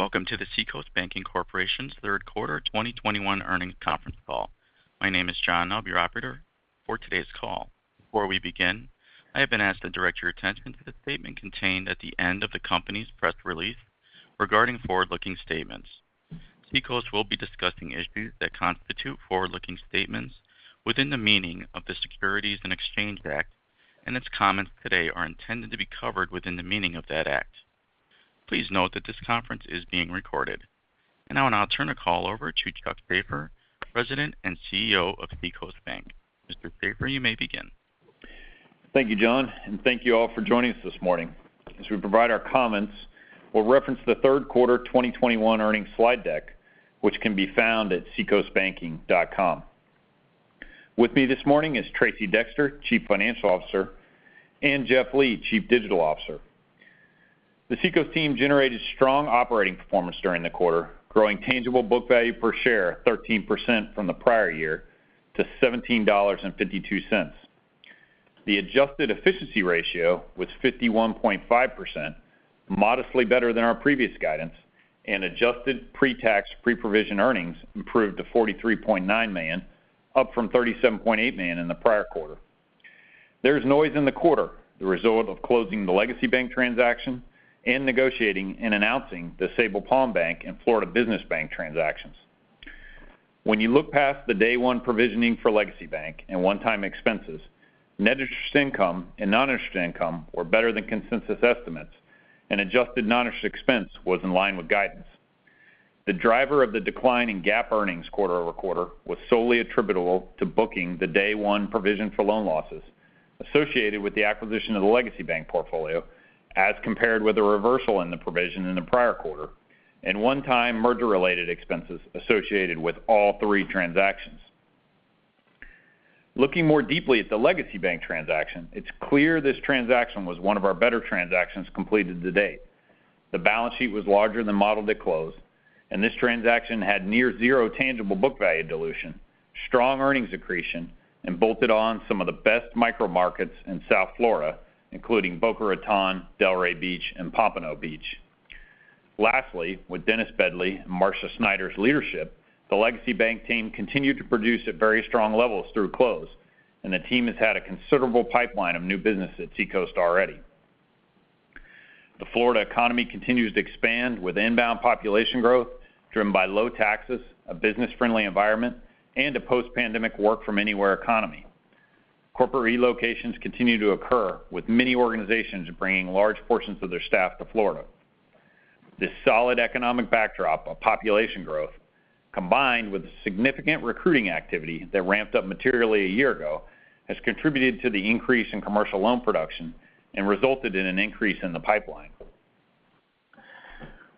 Welcome to the Seacoast Banking Corporation's third quarter 2021 earnings conference call. My name is John. I'll be operator for today's call. Before we begin, I have been asked to direct your attention to the statement contained at the end of the company's press release regarding forward-looking statements. Seacoast will be discussing issues that constitute forward-looking statements within the meaning of the Securities Exchange Act, and its comments today are intended to be covered within the meaning of that act. Please note that this conference is being recorded. Now I'll turn the call over to Chuck Shaffer, President and CEO of Seacoast Bank. Mr. Shaffer, you may begin. Thank you, John, and thank you all for joining us this morning. As we provide our comments, we'll reference the Q3 2021 earnings slide deck, which can be found at seacoastbanking.com. With me this morning is Tracey Dexter, Chief Financial Officer, and Jeff Lee, Chief Digital Officer. The Seacoast team generated strong operating performance during the quarter, growing tangible book value per share 13% from the prior year to $17.52. The adjusted efficiency ratio was 51.5%, modestly better than our previous guidance, and adjusted pre-tax, pre-provision earnings improved to $43.9 million, up from $37.8 million in the prior quarter. There's noise in the quarter, the result of closing the Legacy Bank transaction and negotiating and announcing the Sabal Palm Bank and Florida Business Bank transactions. When you look past the day one provisioning for Legacy Bank and one-time expenses, net interest income and non-interest income were better than consensus estimates, and adjusted non-interest expense was in line with guidance. The driver of the decline in GAAP earnings quarter-over-quarter was solely attributable to booking the day one provision for loan losses associated with the acquisition of the Legacy Bank portfolio as compared with the reversal in the provision in the prior quarter and one-time merger-related expenses associated with all three transactions. Looking more deeply at the Legacy Bank transaction, it's clear this transaction was one of our better transactions completed to date. The balance sheet was larger than modeled at close, and this transaction had near zero tangible book value dilution, strong earnings accretion, and bolted on some of the best micro markets in South Florida, including Boca Raton, Delray Beach, and Pompano Beach. Lastly, with Dennis Bedley and Marcia Snyder's leadership, the Legacy Bank team continued to produce at very strong levels through close, and the team has had a considerable pipeline of new business at Seacoast already. The Florida economy continues to expand with inbound population growth driven by low taxes, a business-friendly environment, and a post-pandemic work from anywhere economy. Corporate relocations continue to occur, with many organizations bringing large portions of their staff to Florida. This solid economic backdrop of population growth, combined with significant recruiting activity that ramped up materially a year ago, has contributed to the increase in commercial loan production and resulted in an increase in the pipeline.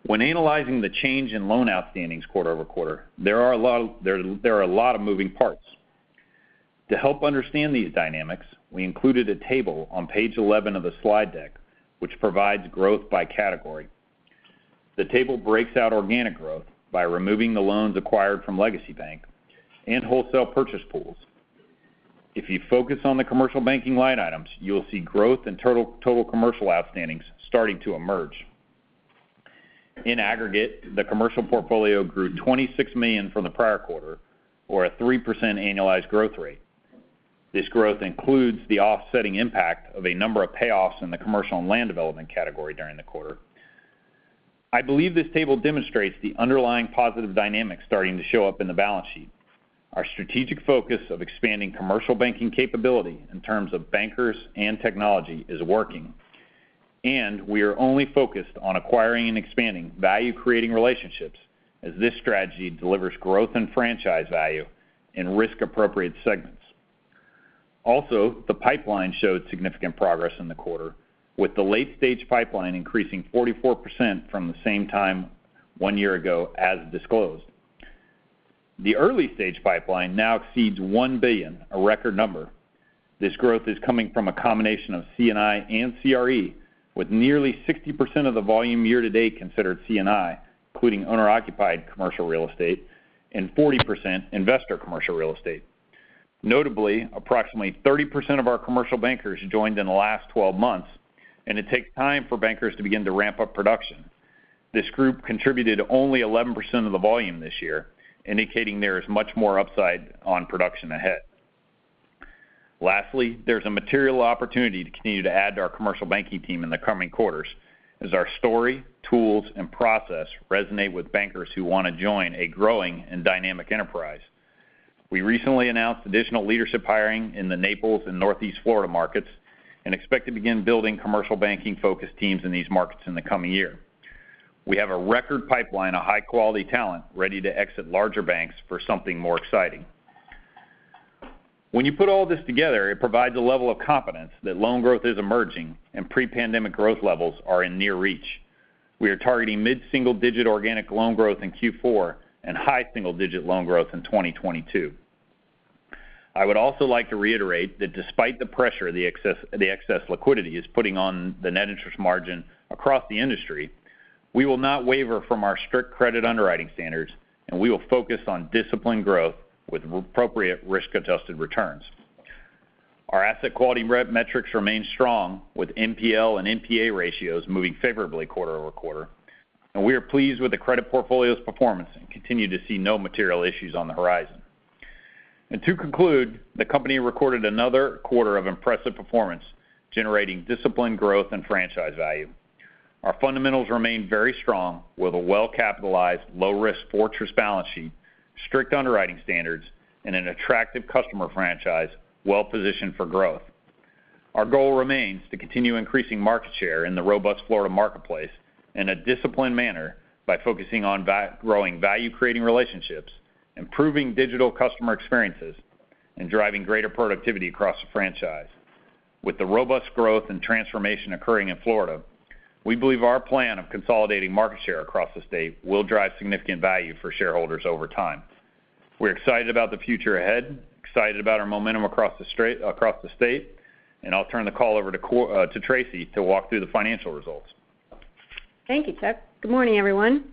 When analyzing the change in loan outstandings quarter-over-quarter, there are a lot of moving parts. To help understand these dynamics, we included a table on page 11 of the slide deck, which provides growth by category. The table breaks out organic growth by removing the loans acquired from Legacy Bank and wholesale purchase pools. If you focus on the commercial banking line items, you will see growth in total commercial outstandings starting to emerge. In aggregate, the commercial portfolio grew $26 million from the prior quarter or a 3% annualized growth rate. This growth includes the offsetting impact of a number of payoffs in the commercial and land development category during the quarter. I believe this table demonstrates the underlying positive dynamics starting to show up in the balance sheet. Our strategic focus of expanding commercial banking capability in terms of bankers and technology is working, and we are only focused on acquiring and expanding value-creating relationships as this strategy delivers growth and franchise value in risk-appropriate segments. Also, the pipeline showed significant progress in the quarter, with the late-stage pipeline increasing 44% from the same time one year ago as disclosed. The early-stage pipeline now exceeds $1 billion, a record number. This growth is coming from a combination of C&I and CRE, with nearly 60% of the volume year to date considered C&I, including owner-occupied commercial real estate and 40% investor commercial real estate. Notably, approximately 30% of our commercial bankers joined in the last 12 months, and it takes time for bankers to begin to ramp up production. This group contributed only 11% of the volume this year, indicating there is much more upside on production ahead. Lastly, there's a material opportunity to continue to add to our commercial banking team in the coming quarters as our story, tools, and process resonate with bankers who want to join a growing and dynamic enterprise. We recently announced additional leadership hiring in the Naples and Northeast Florida markets and expect to begin building commercial banking-focused teams in these markets in the coming year. We have a record pipeline of high-quality talent ready to exit larger banks for something more exciting. When you put all this together, it provides a level of confidence that loan growth is emerging and pre-pandemic growth levels are in near reach. We are targeting mid-single-digit organic loan growth in Q4 and high single-digit loan growth in 2022. I would also like to reiterate that despite the pressure the excess liquidity is putting on the net interest margin across the industry, we will not waver from our strict credit underwriting standards, and we will focus on disciplined growth with appropriate risk-adjusted returns. Our asset quality metrics remain strong with NPL and NPA ratios moving favorably quarter-over-quarter. We are pleased with the credit portfolio's performance and continue to see no material issues on the horizon. To conclude, the company recorded another quarter of impressive performance, generating disciplined growth and franchise value. Our fundamentals remain very strong with a well-capitalized low-risk fortress balance sheet, strict underwriting standards, and an attractive customer franchise well-positioned for growth. Our goal remains to continue increasing market share in the robust Florida marketplace in a disciplined manner by focusing on growing value-creating relationships, improving digital customer experiences, and driving greater productivity across the franchise. With the robust growth and transformation occurring in Florida, we believe our plan of consolidating market share across the state will drive significant value for shareholders over time. We're excited about the future ahead, excited about our momentum across the state, and I'll turn the call over to Tracey to walk through the financial results. Thank you, Chuck. Good morning, everyone.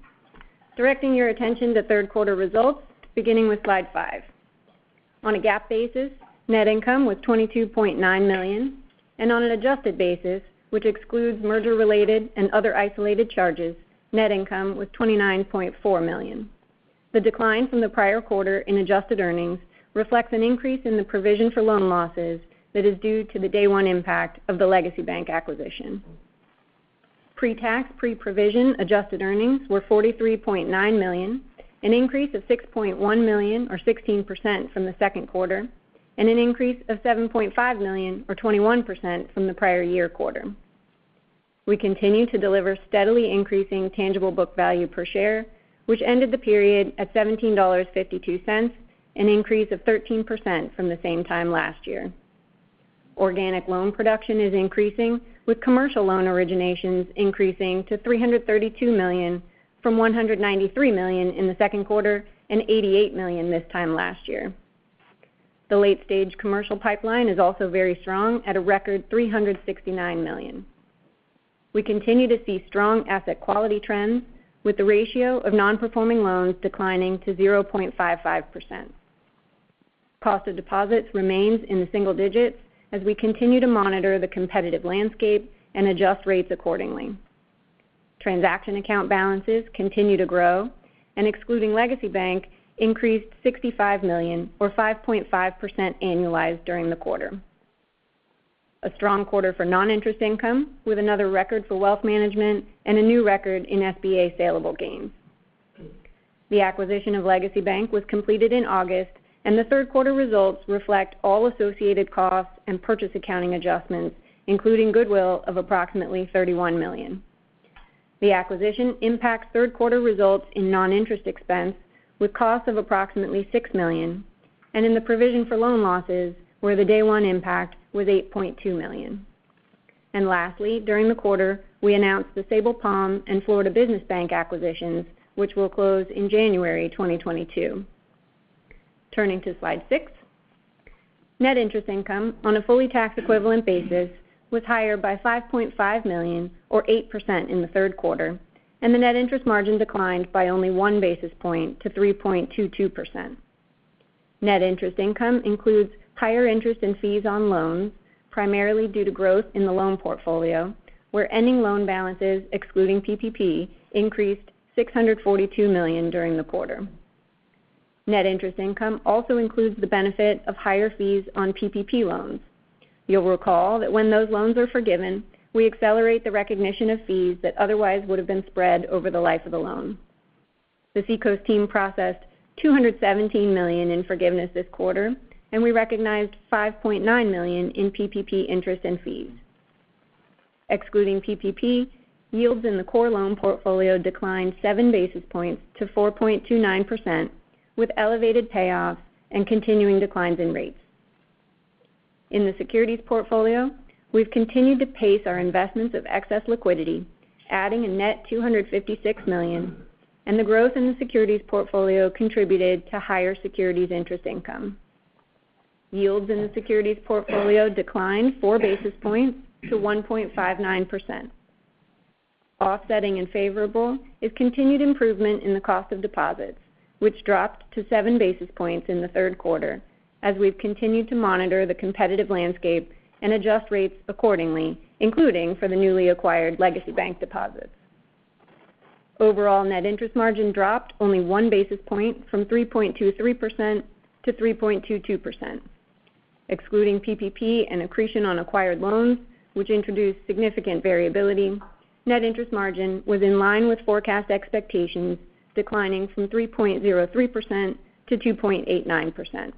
Directing your attention to third quarter results, beginning with slide 5. On a GAAP basis, net income was $22.9 million, and on an adjusted basis, which excludes merger-related and other isolated charges, net income was $29.4 million. The decline from the prior quarter in adjusted earnings reflects an increase in the provision for loan losses that is due to the day one impact of the Legacy Bank acquisition. Pre-tax, pre-provision adjusted earnings were $43.9 million, an increase of $6.1 million or 16% from the second quarter, and an increase of $7.5 million or 21% from the prior year quarter. We continue to deliver steadily increasing tangible book value per share, which ended the period at $17.52, an increase of 13% from the same time last year. Organic loan production is increasing, with commercial loan originations increasing to $332 million from $193 million in the second quarter and $88 million this time last year. The late-stage commercial pipeline is also very strong at a record $369 million. We continue to see strong asset quality trends, with the ratio of nonperforming loans declining to 0.55%. Cost of deposits remains in the single digits as we continue to monitor the competitive landscape and adjust rates accordingly. Transaction account balances continue to grow, and excluding Legacy Bank, increased $65 million or 5.5% annualized during the quarter. A strong quarter for non-interest income, with another record for wealth management and a new record in SBA saleable gains. The acquisition of Legacy Bank was completed in August, and the third quarter results reflect all associated costs and purchase accounting adjustments, including goodwill of approximately $31 million. The acquisition impacts third quarter results in non-interest expense with costs of approximately $6 million and in the provision for loan losses, where the day one impact was $8.2 million. Lastly, during the quarter, we announced the Sabal Palm and Florida Business Bank acquisitions, which will close in January 2022. Turning to slide six. Net interest income, on a fully tax equivalent basis, was higher by $5.5 million or 8% in the third quarter, and the net interest margin declined by only 1 basis point to 3.22%. Net interest income includes higher interest and fees on loans, primarily due to growth in the loan portfolio, where ending loan balances, excluding PPP, increased $642 million during the quarter. Net interest income also includes the benefit of higher fees on PPP loans. You'll recall that when those loans are forgiven, we accelerate the recognition of fees that otherwise would have been spread over the life of the loan. The Seacoast team processed $217 million in forgiveness this quarter, and we recognized $5.9 million in PPP interest and fees. Excluding PPP, yields in the core loan portfolio declined 7 basis points to 4.29% with elevated payoffs and continuing declines in rates. In the securities portfolio, we've continued to pace our investments of excess liquidity, adding a net $256 million, and the growth in the securities portfolio contributed to higher securities interest income. Yields in the securities portfolio declined four basis points to 1.59%. Offsetting and favorable is continued improvement in the cost of deposits, which dropped to seven basis points in the third quarter as we've continued to monitor the competitive landscape and adjust rates accordingly, including for the newly acquired Legacy Bank deposits. Overall, net interest margin dropped only one basis point from 3.23% to 3.22%. Excluding PPP and accretion on acquired loans, which introduced significant variability, net interest margin was in line with forecast expectations, declining from 3.03% to 2.89%.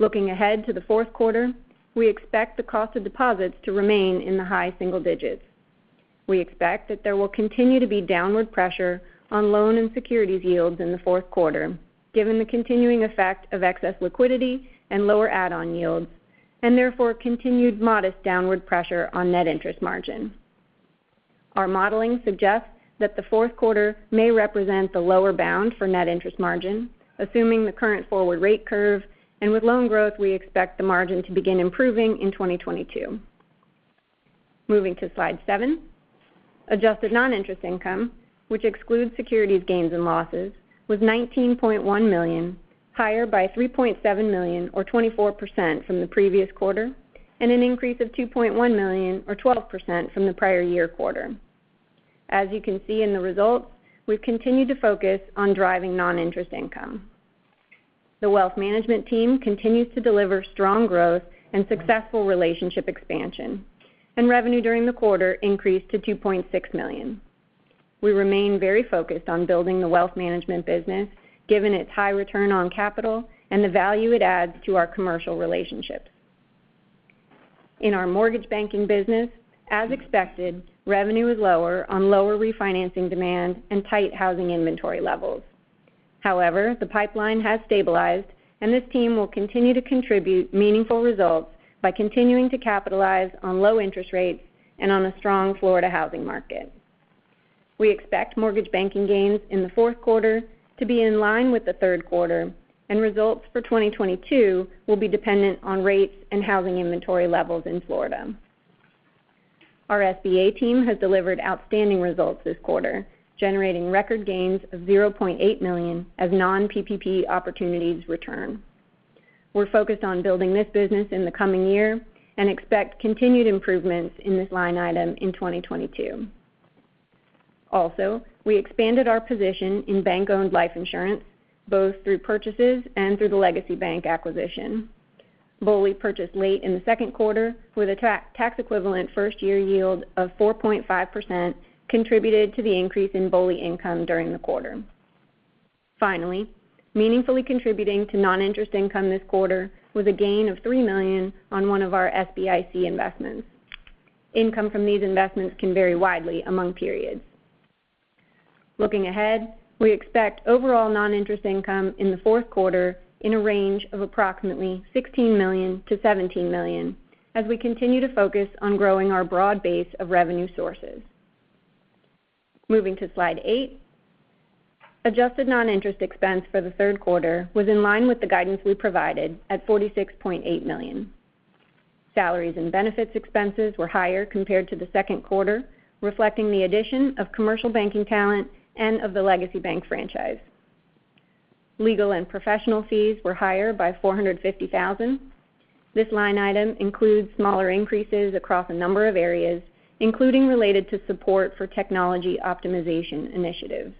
Looking ahead to the fourth quarter, we expect the cost of deposits to remain in the high single digits. We expect that there will continue to be downward pressure on loan and securities yields in the fourth quarter, given the continuing effect of excess liquidity and lower add-on yields, and therefore, continued modest downward pressure on net interest margin. Our modeling suggests that the fourth quarter may represent the lower bound for net interest margin, assuming the current forward rate curve, and with loan growth, we expect the margin to begin improving in 2022. Moving to Slide 7. Adjusted non-interest income, which excludes securities gains and losses, was $19.1 million, higher by $3.7 million or 24% from the previous quarter and an increase of $2.1 million or 12% from the prior year quarter. As you can see in the results, we've continued to focus on driving non-interest income. The wealth management team continues to deliver strong growth and successful relationship expansion, and revenue during the quarter increased to $2.6 million. We remain very focused on building the wealth management business, given its high return on capital and the value it adds to our commercial relationships. In our mortgage banking business, as expected, revenue was lower on lower refinancing demand and tight housing inventory levels. However, the pipeline has stabilized and this team will continue to contribute meaningful results by continuing to capitalize on low interest rates and on a strong Florida housing market. We expect mortgage banking gains in the fourth quarter to be in line with the third quarter, and results for 2022 will be dependent on rates and housing inventory levels in Florida. Our SBA team has delivered outstanding results this quarter, generating record gains of $0.8 million as non-PPP opportunities return. We're focused on building this business in the coming year and expect continued improvements in this line item in 2022. Also, we expanded our position in bank-owned life insurance both through purchases and through the Legacy Bank acquisition. BOLI purchased late in the second quarter with a tax equivalent first year yield of 4.5% contributed to the increase in BOLI income during the quarter. Finally, meaningfully contributing to non-interest income this quarter was a gain of $3 million on one of our SBIC investments. Income from these investments can vary widely among periods. Looking ahead, we expect overall non-interest income in the fourth quarter in a range of approximately $16 million-$17 million as we continue to focus on growing our broad base of revenue sources. Moving to Slide 8. Adjusted non-interest expense for the third quarter was in line with the guidance we provided at $46.8 million. Salaries and benefits expenses were higher compared to the second quarter, reflecting the addition of commercial banking talent and of the Legacy Bank franchise. Legal and professional fees were higher by $450,000. This line item includes smaller increases across a number of areas, including related to support for technology optimization initiatives.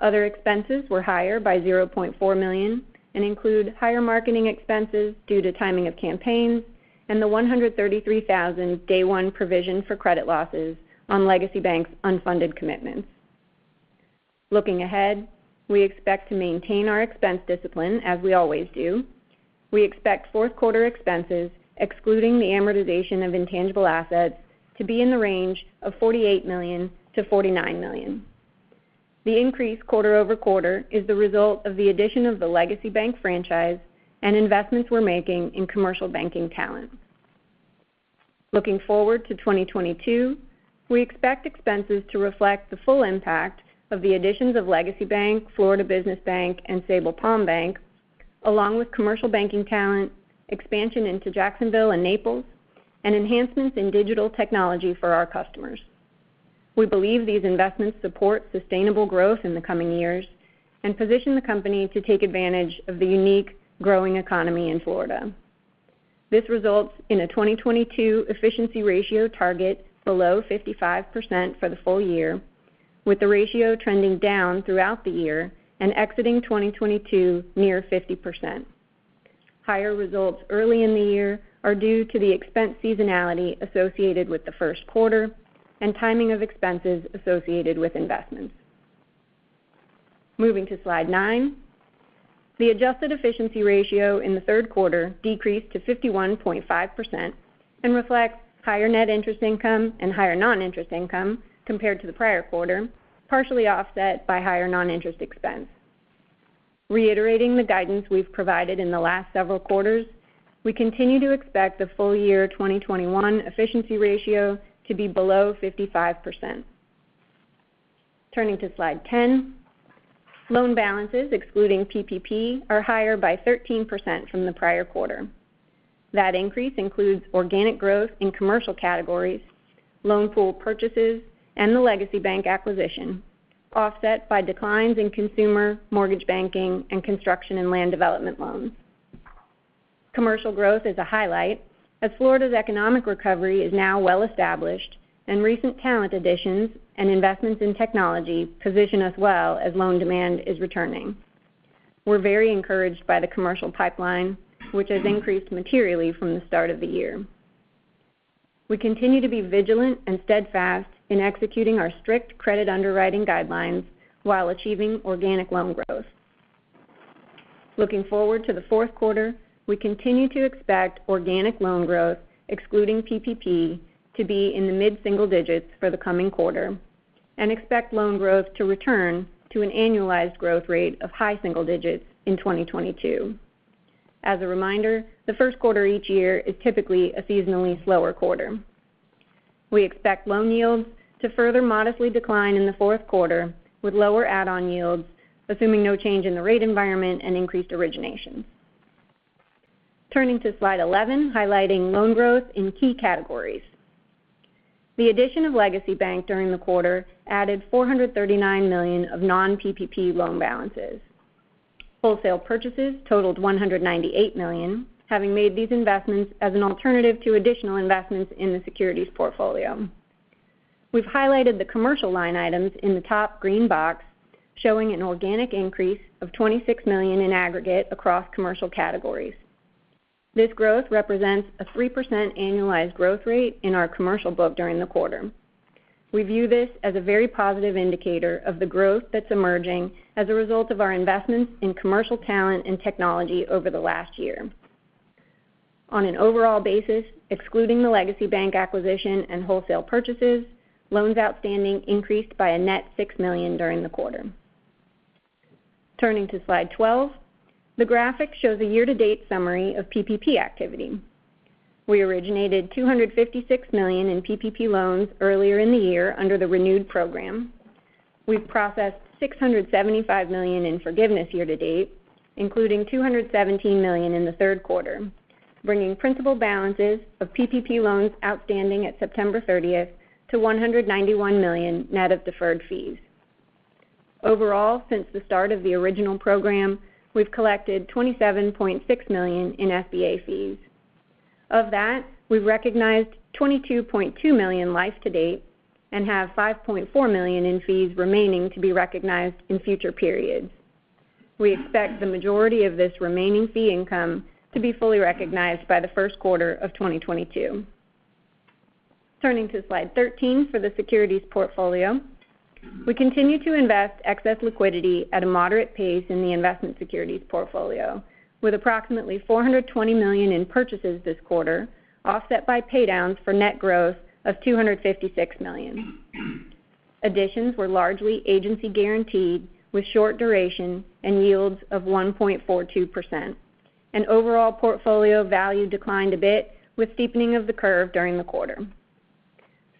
Other expenses were higher by $0.4 million and include higher marketing expenses due to timing of campaigns and the $133,000 day one provision for credit losses on Legacy Bank's unfunded commitments. Looking ahead, we expect to maintain our expense discipline as we always do. We expect fourth quarter expenses, excluding the amortization of intangible assets, to be in the range of $48 million-$49 million. The increase quarter-over-quarter is the result of the addition of the Legacy Bank franchise and investments we're making in commercial banking talent. Looking forward to 2022, we expect expenses to reflect the full impact of the additions of Legacy Bank, Florida Business Bank, and Sable Palm Bank, along with commercial banking talent, expansion into Jacksonville and Naples, and enhancements in digital technology for our customers. We believe these investments support sustainable growth in the coming years and position the company to take advantage of the unique growing economy in Florida. This results in a 2022 efficiency ratio target below 55% for the full year, with the ratio trending down throughout the year and exiting 2022 near 50%. Higher results early in the year are due to the expense seasonality associated with the first quarter and timing of expenses associated with investments. Moving to Slide 9. The adjusted efficiency ratio in the third quarter decreased to 51.5% and reflects higher net interest income and higher non-interest income compared to the prior quarter, partially offset by higher non-interest expense. Reiterating the guidance we've provided in the last several quarters, we continue to expect the full year 2021 efficiency ratio to be below 55%. Turning to Slide 10. Loan balances excluding PPP are higher by 13% from the prior quarter. That increase includes organic growth in commercial categories, loan pool purchases, and the Legacy Bank acquisition, offset by declines in consumer, mortgage banking, and construction and land development loans. Commercial growth is a highlight as Florida's economic recovery is now well-established and recent talent additions and investments in technology position us well as loan demand is returning. We're very encouraged by the commercial pipeline, which has increased materially from the start of the year. We continue to be vigilant and steadfast in executing our strict credit underwriting guidelines while achieving organic loan growth. Looking forward to the fourth quarter, we continue to expect organic loan growth excluding PPP to be in the mid-single digits for the coming quarter and expect loan growth to return to an annualized growth rate of high single digits in 2022. As a reminder, the first quarter each year is typically a seasonally slower quarter. We expect loan yields to further modestly decline in the fourth quarter with lower add-on yields, assuming no change in the rate environment and increased originations. Turning to Slide 11, highlighting loan growth in key categories. The addition of Legacy Bank during the quarter added $439 million of non-PPP loan balances. Wholesale purchases totaled $198 million, having made these investments as an alternative to additional investments in the securities portfolio. We've highlighted the commercial line items in the top green box, showing an organic increase of $26 million in aggregate across commercial categories. This growth represents a 3% annualized growth rate in our commercial book during the quarter. We view this as a very positive indicator of the growth that's emerging as a result of our investments in commercial talent and technology over the last year. On an overall basis, excluding the Legacy Bank acquisition and wholesale purchases, loans outstanding increased by a net $6 million during the quarter. Turning to Slide 12, the graphic shows a year-to-date summary of PPP activity. We originated $256 million in PPP loans earlier in the year under the renewed program. We've processed $675 million in forgiveness year to date, including $217 million in the third quarter, bringing principal balances of PPP loans outstanding at September 30 to $191 million net of deferred fees. Overall, since the start of the original program, we've collected $27.6 million in SBA fees. Of that, we've recognized $22.2 million life to date and have $5.4 million in fees remaining to be recognized in future periods. We expect the majority of this remaining fee income to be fully recognized by the first quarter of 2022. Turning to Slide 13 for the securities portfolio. We continue to invest excess liquidity at a moderate pace in the investment securities portfolio with approximately $420 million in purchases this quarter, offset by paydowns for net growth of $256 million. Additions were largely agency-guaranteed with short duration and yields of 1.42%. Overall portfolio value declined a bit with steepening of the curve during the quarter.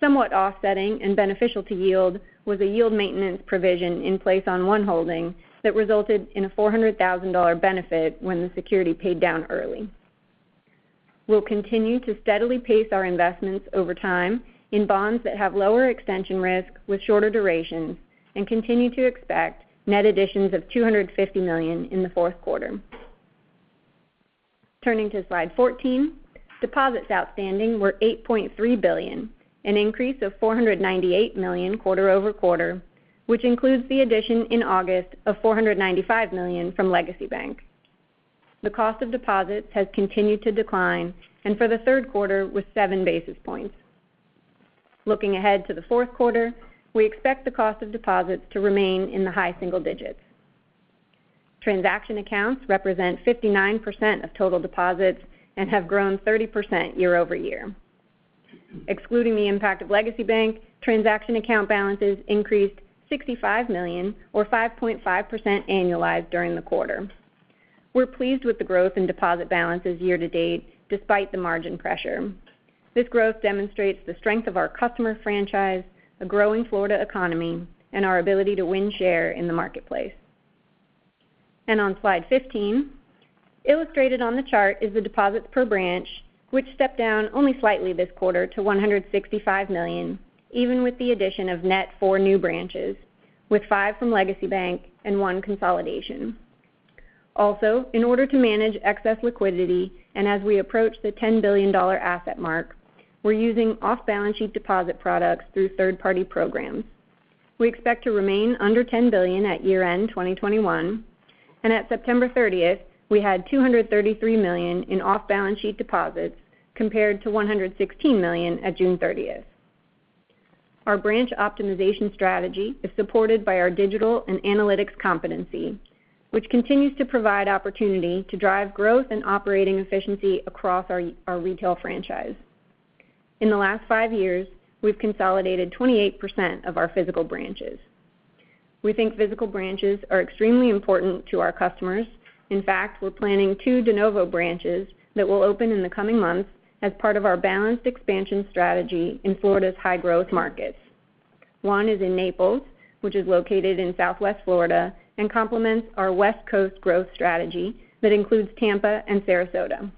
Somewhat offsetting and beneficial to yield was a yield maintenance provision in place on one holding that resulted in a $400,000 benefit when the security paid down early. We'll continue to steadily pace our investments over time in bonds that have lower extension risk with shorter durations and continue to expect net additions of $250 million in the fourth quarter. Turning to Slide 14, deposits outstanding were $8.3 billion, an increase of $498 million quarter-over-quarter, which includes the addition in August of $495 million from Legacy Bank. The cost of deposits has continued to decline, and for the third quarter was 7 basis points. Looking ahead to the fourth quarter, we expect the cost of deposits to remain in the high single digits. Transaction accounts represent 59% of total deposits and have grown 30% year-over-year. Excluding the impact of Legacy Bank, transaction account balances increased $65 million or 5.5% annualized during the quarter. We're pleased with the growth in deposit balances year to date, despite the margin pressure. This growth demonstrates the strength of our customer franchise, a growing Florida economy, and our ability to win share in the marketplace. On Slide 15, illustrated on the chart is the deposits per branch, which stepped down only slightly this quarter to $165 million, even with the addition of net 4 new branches, with 5 from Legacy Bank and 1 consolidation. In order to manage excess liquidity, and as we approach the $10 billion asset mark, we're using off-balance sheet deposit products through third-party programs. We expect to remain under $10 billion at year-end 2021. At September 30, we had $233 million in off-balance sheet deposits compared to $116 million at June 30. Our branch optimization strategy is supported by our digital and analytics competency, which continues to provide opportunity to drive growth and operating efficiency across our retail franchise. In the last 5 years, we've consolidated 28% of our physical branches. We think physical branches are extremely important to our customers. In fact, we're planning 2 de novo branches that will open in the coming months as part of our balanced expansion strategy in Florida's high-growth markets. One is in Naples, which is located in Southwest Florida and complements our West Coast growth strategy that includes Tampa and Sarasota.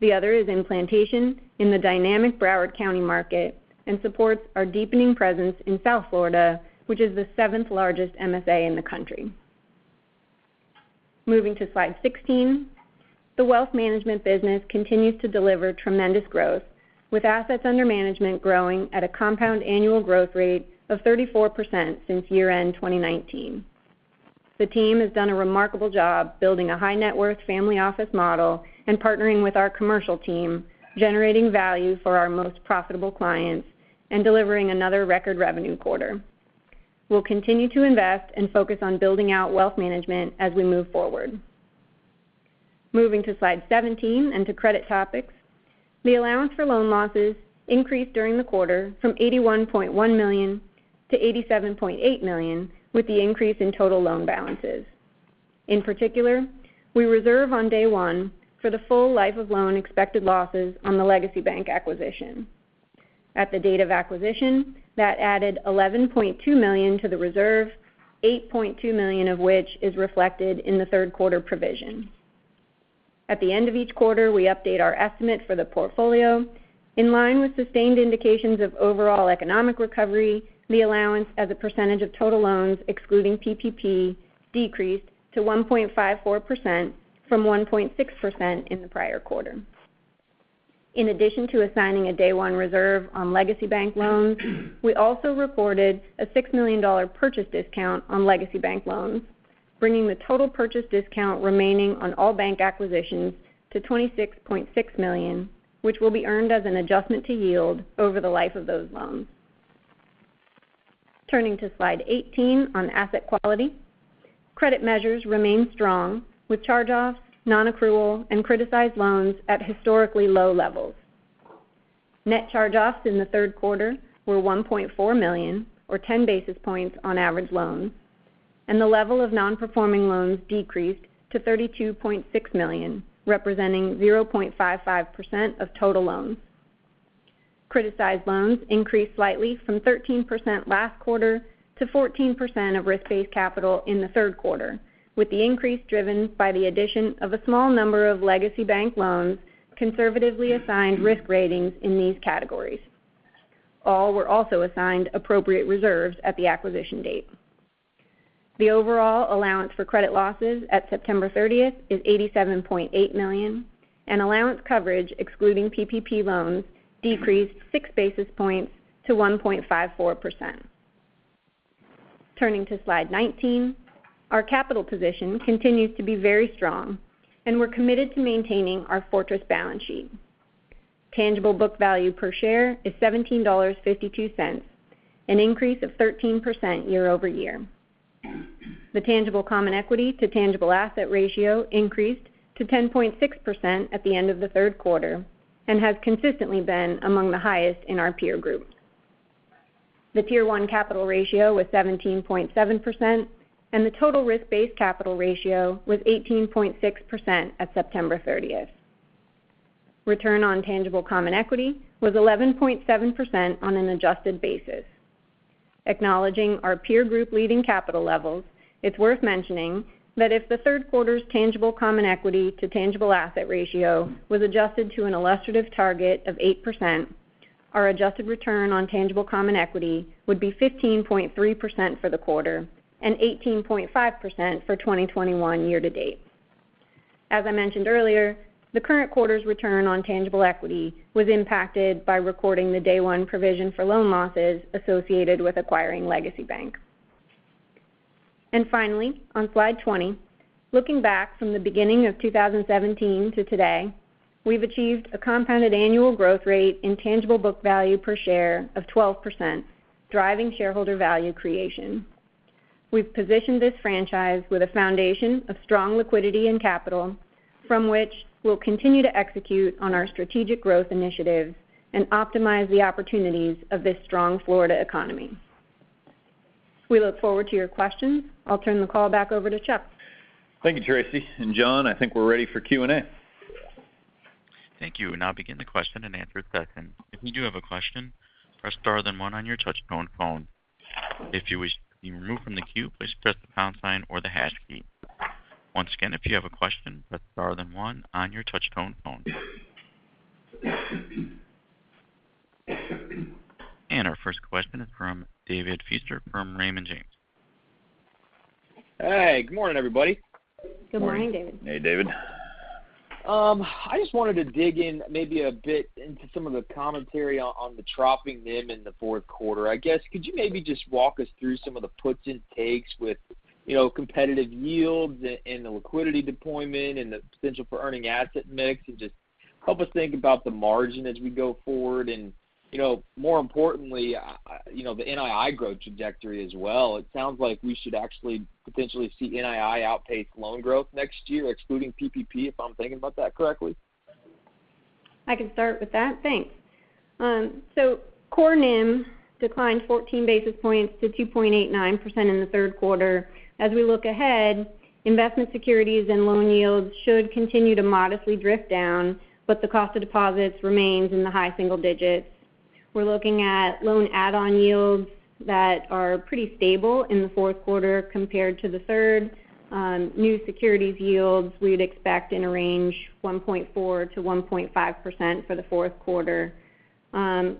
The other is in Plantation in the dynamic Broward County market and supports our deepening presence in South Florida, which is the seventh-largest MSA in the country. Moving to Slide 16, the wealth management business continues to deliver tremendous growth with assets under management growing at a compound annual growth rate of 34% since year-end 2019. The team has done a remarkable job building a high-net-worth family office model and partnering with our commercial team, generating value for our most profitable clients and delivering another record revenue quarter. We'll continue to invest and focus on building out wealth management as we move forward. Moving to Slide 17 and to credit topics, the allowance for loan losses increased during the quarter from $81.1 million to $87.8 million with the increase in total loan balances. In particular, we reserve on day one for the full life of loan expected losses on the Legacy Bank acquisition. At the date of acquisition, that added $11.2 million to the reserve, $8.2 million of which is reflected in the third quarter provision. At the end of each quarter, we update our estimate for the portfolio. In line with sustained indications of overall economic recovery, the allowance as a percentage of total loans, excluding PPP, decreased to 1.54% from 1.6% in the prior quarter. In addition to assigning a day one reserve on Legacy Bank loans, we also reported a $6 million purchase discount on Legacy Bank loans, bringing the total purchase discount remaining on all bank acquisitions to $26.6 million, which will be earned as an adjustment to yield over the life of those loans. Turning to Slide 18 on asset quality. Credit measures remain strong with charge-offs, nonaccrual, and criticized loans at historically low levels. Net charge-offs in the third quarter were $1.4 million or 10 basis points on average loans, and the level of nonperforming loans decreased to $32.6 million, representing 0.55% of total loans. Criticized loans increased slightly from 13% last quarter to 14% of risk-based capital in the third quarter, with the increase driven by the addition of a small number of Legacy Bank loans conservatively assigned risk ratings in these categories. All were also assigned appropriate reserves at the acquisition date. The overall allowance for credit losses at September 30th is $87.8 million, and allowance coverage, excluding PPP loans, decreased 6 basis points to 1.54%. Turning to Slide 19. Our capital position continues to be very strong, and we're committed to maintaining our fortress balance sheet. Tangible book value per share is $17.52, an increase of 13% year-over-year. The tangible common equity to tangible asset ratio increased to 10.6% at the end of the third quarter and has consistently been among the highest in our peer group. The Tier 1 capital ratio was 17.7%, and the total risk-based capital ratio was 18.6% at September 30. Return on tangible common equity was 11.7% on an adjusted basis. Acknowledging our peer group leading capital levels, it's worth mentioning that if the third quarter's tangible common equity to tangible asset ratio was adjusted to an illustrative target of 8%, our adjusted return on tangible common equity would be 15.3% for the quarter and 18.5% for 2021 year to date. As I mentioned earlier, the current quarter's return on tangible equity was impacted by recording the day one provision for loan losses associated with acquiring Legacy Bank. Finally, on Slide 20, looking back from the beginning of 2017 to today, we've achieved a compounded annual growth rate in tangible book value per share of 12%, driving shareholder value creation. We've positioned this franchise with a foundation of strong liquidity and capital from which we'll continue to execute on our strategic growth initiatives and optimize the opportunities of this strong Florida economy. We look forward to your questions. I'll turn the call back over to Chuck. Thank you, Tracey. John, I think we're ready for Q&A. Thank you. We'll now begin the question and answer session. Our first question is from David Feaster from Raymond James. Hey, good morning, everybody. Good morning, David. Hey, David. I just wanted to dig in maybe a bit into some of the commentary on the dropping NIM in the fourth quarter. I guess, could you maybe just walk us through some of the puts and takes with, you know, competitive yields and the liquidity deployment and the potential for earning asset mix? Just help us think about the margin as we go forward. You know, more importantly, you know, the NII growth trajectory as well. It sounds like we should actually potentially see NII outpace loan growth next year, excluding PPP, if I'm thinking about that correctly. I can start with that. Thanks. Core NIM declined 14 basis points to 2.89% in the third quarter. As we look ahead, investment securities and loan yields should continue to modestly drift down, but the cost of deposits remains in the high single digits. We're looking at loan add-on yields that are pretty stable in the fourth quarter compared to the third. New securities yields we'd expect in a range 1.4%-1.5% for the fourth quarter.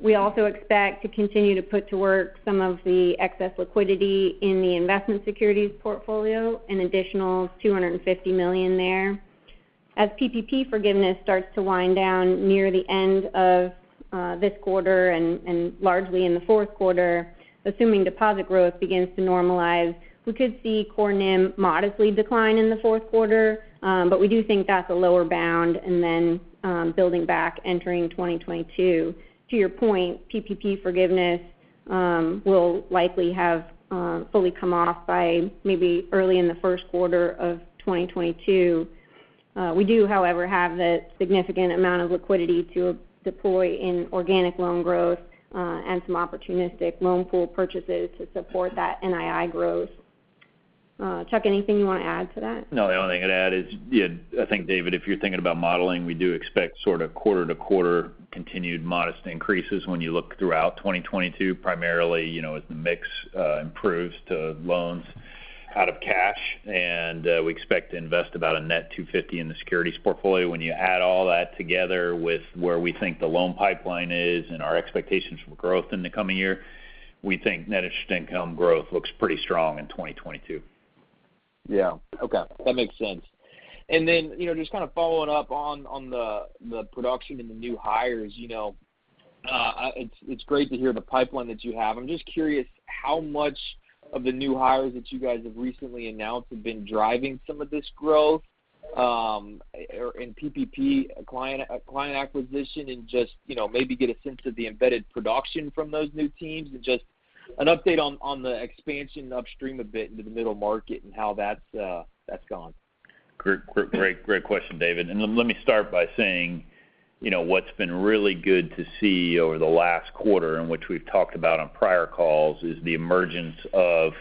We also expect to continue to put to work some of the excess liquidity in the investment securities portfolio, an additional $250 million there. As PPP forgiveness starts to wind down near the end of this quarter and largely in the fourth quarter, assuming deposit growth begins to normalize, we could see core NIM modestly decline in the fourth quarter. But we do think that's a lower bound and then building back entering 2022. To your point, PPP forgiveness will likely have fully come off by maybe early in the first quarter of 2022. We do, however, have the significant amount of liquidity to deploy in organic loan growth and some opportunistic loan pool purchases to support that NII growth. Chuck, anything you want to add to that? No. The only thing I'd add is, yeah, I think, David, if you're thinking about modeling, we do expect sort of quarter-to-quarter continued modest increases when you look throughout 2022, primarily, you know, as the mix improves to loans out of cash. We expect to invest about a net $250 in the securities portfolio. When you add all that together with where we think the loan pipeline is and our expectations for growth in the coming year, we think net interest income growth looks pretty strong in 2022. Yeah. Okay. That makes sense. Then, you know, just kind of following up on the production and the new hires. You know, it's great to hear the pipeline that you have. I'm just curious how much of the new hires that you guys have recently announced have been driving some of this growth, or in PPP client acquisition and just, you know, maybe get a sense of the embedded production from those new teams and just an update on the expansion upstream a bit into the middle market and how that's gone. Great, great question, David. Let me start by saying, you know, what's been really good to see over the last quarter, and which we've talked about on prior calls, is the emergence of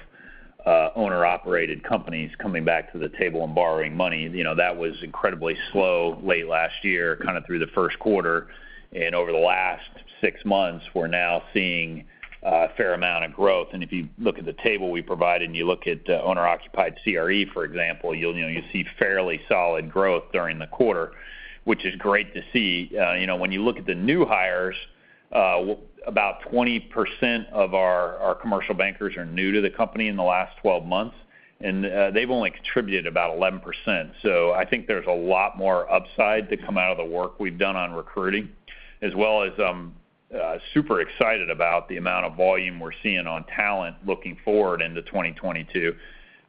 owner-occupied companies coming back to the table and borrowing money. You know, that was incredibly slow late last year, kind of through the first quarter. Over the last 6 months, we're now seeing a fair amount of growth. If you look at the table we provided, and you look at owner-occupied CRE, for example, you'll, you know, you see fairly solid growth during the quarter, which is great to see. You know, when you look at the new hires, about 20% of our commercial bankers are new to the company in the last 12 months, and they've only contributed about 11%. I think there's a lot more upside to come out of the work we've done on recruiting, as well as I'm super excited about the amount of volume we're seeing on talent looking forward into 2022.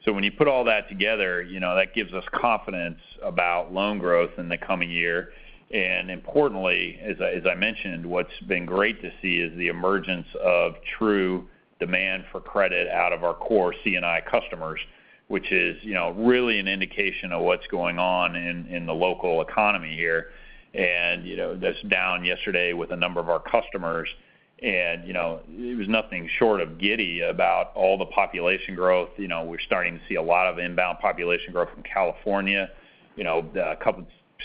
When you put all that together, you know, that gives us confidence about loan growth in the coming year. Importantly, as I mentioned, what's been great to see is the emergence of true demand for credit out of our core C&I customers, which is, you know, really an indication of what's going on in the local economy here. You know, I was down yesterday with a number of our customers, and, you know, it was nothing short of giddy about all the population growth. You know, we're starting to see a lot of inbound population growth from California. You know,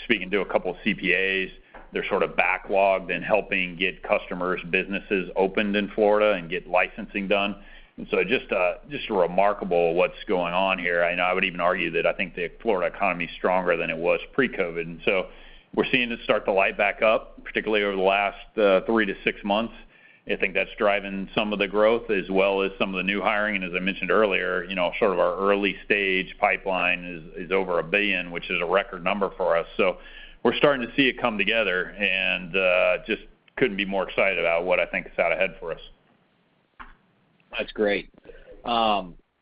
speaking to a couple of CPAs, they're sort of backlogged and helping get customers' businesses opened in Florida and get licensing done. Just remarkable what's going on here. I know I would even argue that I think the Florida economy is stronger than it was pre-COVID. We're seeing it start to light back up, particularly over the last three to six months. I think that's driving some of the growth as well as some of the new hiring. As I mentioned earlier, you know, sort of our early-stage pipeline is over $1 billion, which is a record number for us. We're starting to see it come together, and just couldn't be more excited about what I think is out ahead for us. That's great.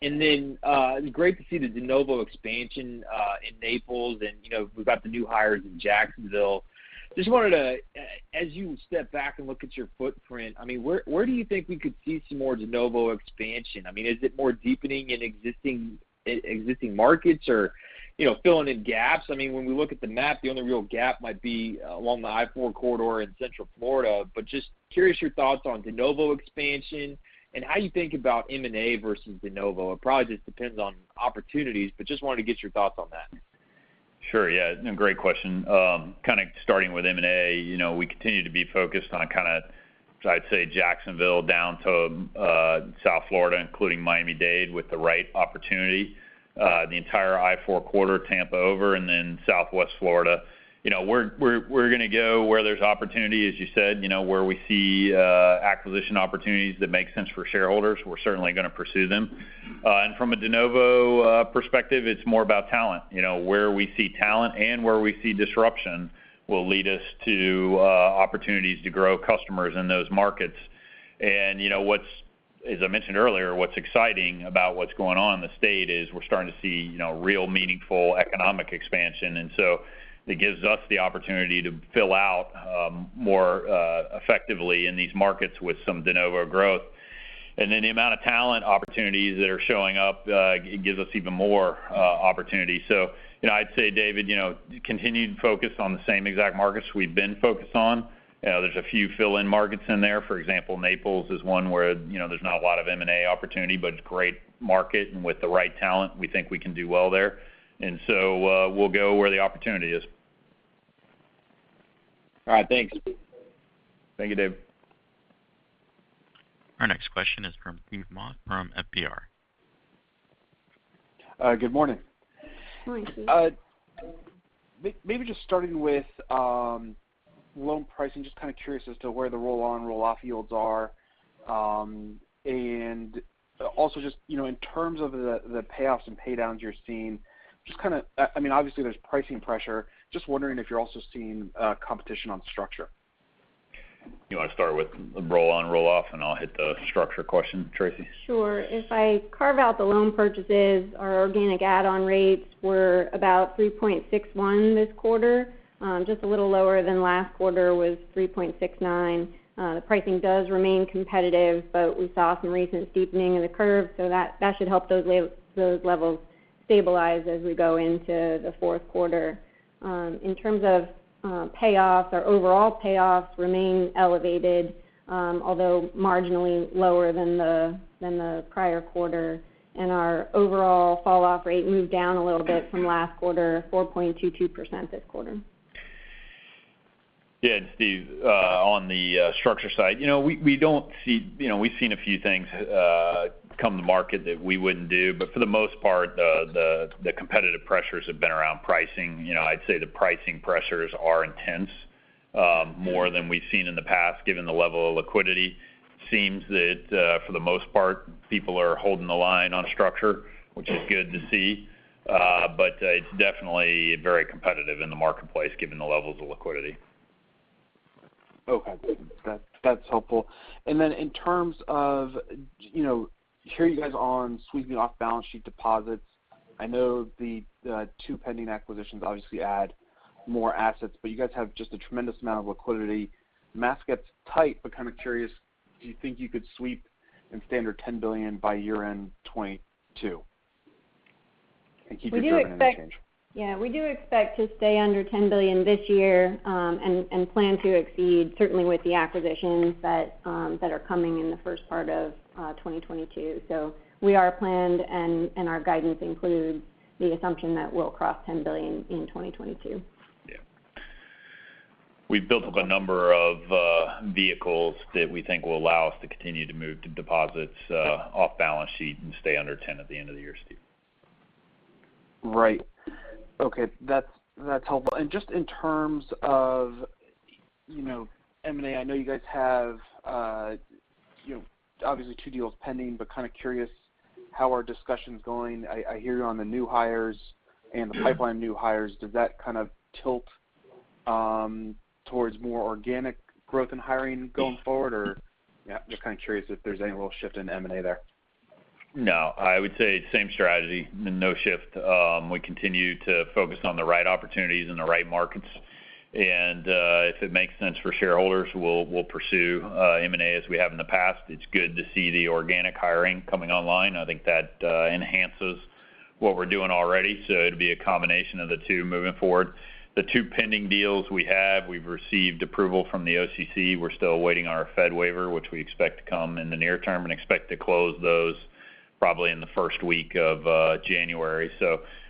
Great to see the de novo expansion in Naples. You know, we've got the new hires in Jacksonville. Just wanted to, as you step back and look at your footprint, I mean, where do you think we could see some more de novo expansion? I mean, is it more deepening in existing markets or, you know, filling in gaps? I mean, when we look at the map, the only real gap might be along the I-4 corridor in Central Florida. Just curious your thoughts on de novo expansion and how you think about M&A versus de novo. It probably just depends on opportunities, but just wanted to get your thoughts on that. Sure. Yeah. Great question. Kind of starting with M&A, you know, we continue to be focused on kind of, I'd say, Jacksonville down to South Florida, including Miami-Dade, with the right opportunity, the entire I-4 corridor, Tampa over and then Southwest Florida. You know, we're going to go where there's opportunity, as you said, you know, where we see acquisition opportunities that make sense for shareholders. We're certainly going to pursue them. From a de novo perspective, it's more about talent. You know, where we see talent and where we see disruption will lead us to opportunities to grow customers in those markets. You know, as I mentioned earlier, what's exciting about what's going on in the state is we're starting to see, you know, real meaningful economic expansion. It gives us the opportunity to fill out more effectively in these markets with some de novo growth. The amount of talent opportunities that are showing up gives us even more opportunity. You know, I'd say, David, you know, continued focus on the same exact markets we've been focused on. You know, there's a few fill-in markets in there. For example, Naples is one where, you know, there's not a lot of M&A opportunity, but it's a great market, and with the right talent, we think we can do well there. We'll go where the opportunity is. All right. Thanks. Thank you, Dave. Our next question is from Steve Moss from FBR. Good morning. Morning, Steve. Maybe just starting with loan pricing, just kind of curious as to where the roll-on/roll-off yields are. Also just, you know, in terms of the payoffs and paydowns you're seeing, just kind of, I mean, obviously, there's pricing pressure. Just wondering if you're also seeing competition on structure. You want to start with roll-on/roll-off, and I'll hit the structure question, Tracey? Sure. If I carve out the loan purchases, our organic add-on rates were about 3.61 this quarter, just a little lower than last quarter was 3.69. The pricing does remain competitive, but we saw some recent steepening of the curve, so that should help those levels stabilize as we go into the fourth quarter. In terms of payoff, our overall payoff remain elevated, although marginally lower than the prior quarter, and our overall fall-off rate moved down a little bit from last quarter, 4.22% this quarter. Steve, on the structure side, you know, we don't see. You know, we've seen a few things come to market that we wouldn't do. For the most part, the competitive pressures have been around pricing. You know, I'd say the pricing pressures are intense, more than we've seen in the past, given the level of liquidity. Seems that, for the most part, people are holding the line on structure, which is good to see. It's definitely very competitive in the marketplace given the levels of liquidity. Okay. That's helpful. Then in terms of, you know, I hear you guys on sweeping off-balance-sheet deposits. I know the two pending acquisitions obviously add more assets, but you guys have just a tremendous amount of liquidity. The math gets tight, but kind of curious, do you think you could sweep in, stand at $10 billion by year-end 2022 and keep it. We do expect. Driving an exchange? Yeah. We do expect to stay under $10 billion this year, and plan to exceed certainly with the acquisitions that are coming in the first part of 2022. We are planning, and our guidance includes the assumption that we'll cross $10 billion in 2022. Yeah. We've built up a number of vehicles that we think will allow us to continue to move deposits off balance sheet and stay under 10 at the end of the year, Steve. Right. Okay. That's helpful. Just in terms of, you know, M&A, I know you guys have obviously two deals pending, but kind of curious how are discussions going. I hear you on the new hires and the pipeline new hires. Does that kind of tilt towards more organic growth in hiring going forward? Or. Yeah. Just kind of curious if there's any little shift in M&A there. No. I would say same strategy. No shift. We continue to focus on the right opportunities in the right markets. If it makes sense for shareholders, we'll pursue M&A as we have in the past. It's good to see the organic growth coming online. I think that enhances what we're doing already. It'll be a combination of the two moving forward. The two pending deals we have, we've received approval from the OCC. We're still awaiting our Fed waiver, which we expect to come in the near term and expect to close those probably in the first week of January.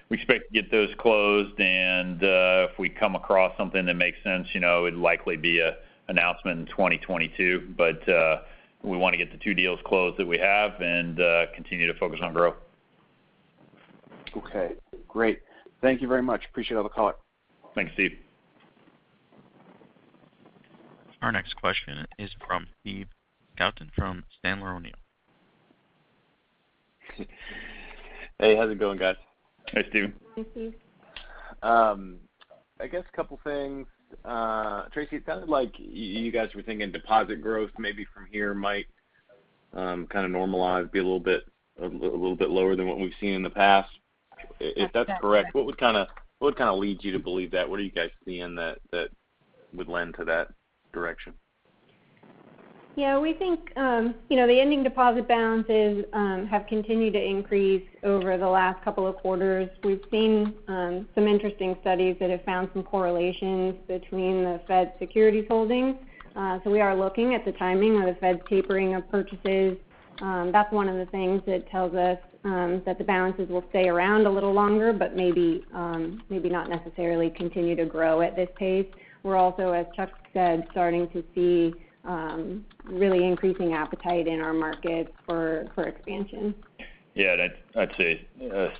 We expect to get those closed. If we come across something that makes sense, you know, it'd likely be an announcement in 2022. We want to get the two deals closed that we have and continue to focus on growth. Okay. Great. Thank you very much. Appreciate all the color. Thanks, Steve. Our next question is from Steve Scouten from Sandler O'Neill. Hey, how's it going, guys? Hey, Steve. Hey, Steve. I guess couple things. Tracey, it sounded like you guys were thinking deposit growth maybe from here might kind of normalize, be a little bit lower than what we've seen in the past. That's correct. If that's correct, what would kind of lead you to believe that? What are you guys seeing that would lend to that direction? Yeah. We think, you know, the ending deposit balances have continued to increase over the last couple of quarters. We've seen some interesting studies that have found some correlations between the Fed securities holdings. We are looking at the timing of the Fed's tapering of purchases. That's one of the things that tells us that the balances will stay around a little longer but maybe not necessarily continue to grow at this pace. We're also, as Chuck said, starting to see really increasing appetite in our markets for expansion. I'd say,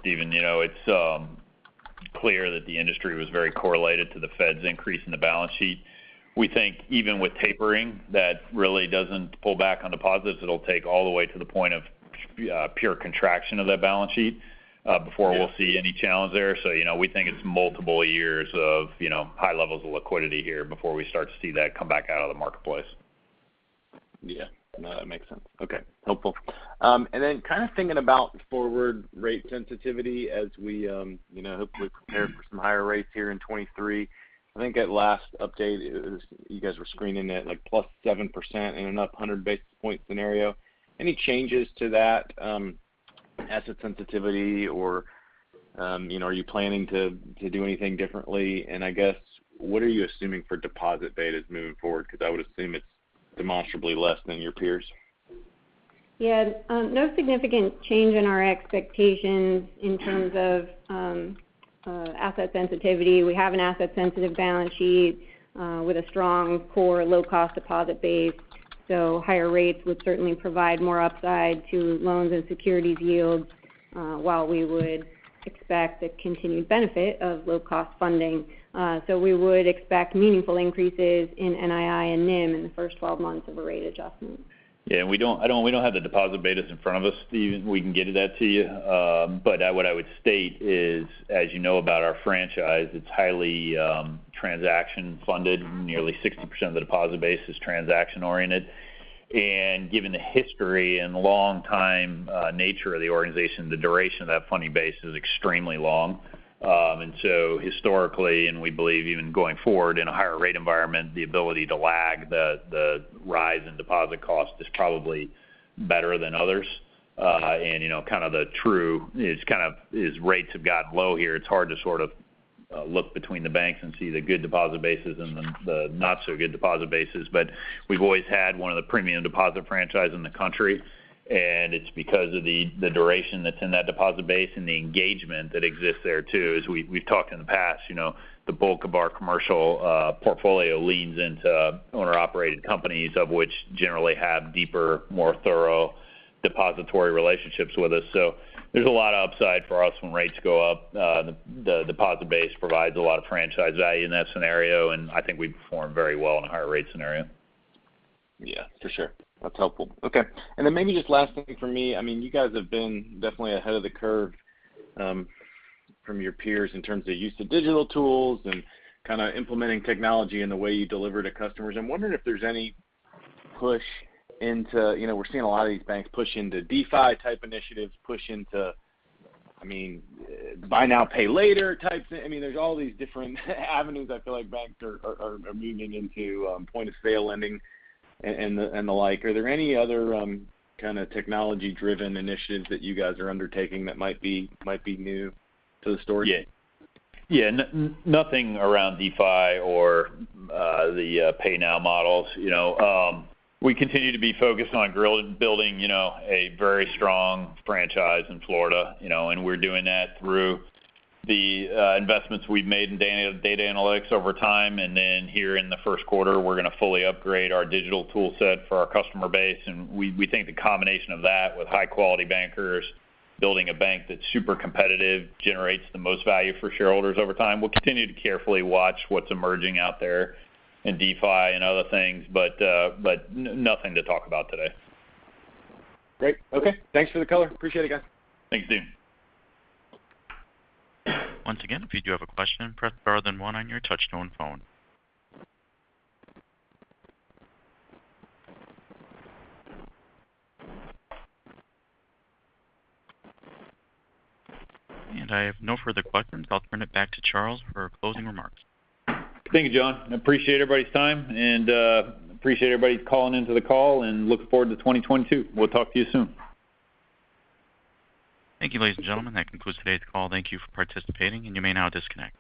Stephen, you know, it's clear that the industry was very correlated to the Fed's increase in the balance sheet. We think even with tapering, that really doesn't pull back on deposits. It'll take all the way to the point of pure contraction of that balance sheet before. Yeah. We'll see any challenge there. You know, we think it's multiple years of, you know, high levels of liquidity here before we start to see that come back out of the marketplace. Yeah. No, that makes sense. Okay. Helpful. Then kind of thinking about forward rate sensitivity as we, you know, hopefully prepare for some higher rates here in 2023. I think at last update is you guys were screening it like plus 7% in an up 100 basis point scenario. Any changes to that, asset sensitivity or, you know, are you planning to do anything differently? And I guess, what are you assuming for deposit betas moving forward? Because I would assume it's demonstrably less than your peers. Yeah. No significant change in our expectations in terms of asset sensitivity. We have an asset sensitive balance sheet with a strong core low-cost deposit base. Higher rates would certainly provide more upside to loans and securities yields while we would expect the continued benefit of low cost funding. We would expect meaningful increases in NII and NIM in the first 12 months of a rate adjustment. Yeah. We don't have the deposit betas in front of us, Steve. We can get it out to you. What I would state is, as you know about our franchise, it's highly transaction funded. Nearly 60% of the deposit base is transaction oriented. Given the history and long time nature of the organization, the duration of that funding base is extremely long. Historically, and we believe even going forward in a higher rate environment, the ability to lag the rise in deposit cost is probably better than others. You know, kind of the true—it's kind of as rates have got low here, it's hard to sort of look between the banks and see the good deposit bases and then the not so good deposit bases. We've always had one of the premium deposit franchise in the country, and it's because of the duration that's in that deposit base and the engagement that exists there too. As we've talked in the past, you know, the bulk of our commercial portfolio leans into owner-operated companies, of which generally have deeper, more thorough depository relationships with us. There's a lot of upside for us when rates go up. The deposit base provides a lot of franchise value in that scenario, and I think we perform very well in a higher rate scenario. Yeah, for sure. That's helpful. Okay. Then maybe just last thing for me, I mean, you guys have been definitely ahead of the curve from your peers in terms of use of digital tools and kind of implementing technology in the way you deliver to customers. I'm wondering if there's any push into you know, we're seeing a lot of these banks push into DeFi type initiatives, push into, I mean, buy now, pay later types. I mean, there's all these different avenues I feel like banks are moving into point of sale lending and the like. Are there any other kind of technology-driven initiatives that you guys are undertaking that might be new to the story? Yeah. Nothing around DeFi or the pay now models, you know. We continue to be focused on building, you know, a very strong franchise in Florida, you know. We're doing that through the investments we've made in data analytics over time. Here in the first quarter, we're gonna fully upgrade our digital tool set for our customer base. We think the combination of that with high quality bankers building a bank that's super competitive generates the most value for shareholders over time. We'll continue to carefully watch what's emerging out there in DeFi and other things. Nothing to talk about today. Great. Okay. Thanks for the color. Appreciate it, guys. Thanks, Steve. Once again, if you do have a question, press star then one on your touch-tone phone. I have no further questions. I'll turn it back to Chuck for closing remarks. Thank you, John. I appreciate everybody's time, and appreciate everybody calling into the call and look forward to 2022. We'll talk to you soon. Thank you, ladies and gentlemen. That concludes today's call. Thank you for participating, and you may now disconnect.